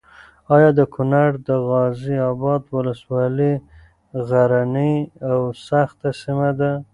ایا د کونړ د غازي اباد ولسوالي غرنۍ او سخته سیمه ده؟